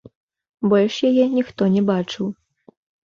Больш яе ніхто не бачыў.